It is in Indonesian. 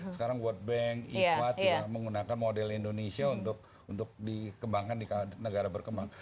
sekarang world bank ifa juga menggunakan model indonesia untuk dikembangkan di negara berkembang